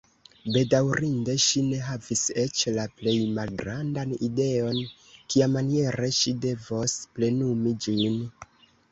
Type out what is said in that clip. Bedaŭrinde, ŝi ne havis eĉ la plej malgrandan ideon kiamaniere ŝi devos plenumi ĝin.